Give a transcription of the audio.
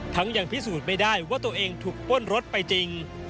ยังพิสูจน์ไม่ได้ว่าตัวเองถูกป้นรถไปจริง